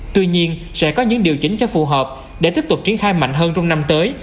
tuy nhiên sẽ có những điều chỉnh cho phù hợp để tiếp tục triển khai mạnh hơn trong năm tới